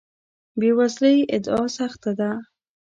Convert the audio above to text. بې وزلۍ ادعا سخت ده.